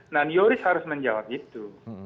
nah yoris harus menjawab itu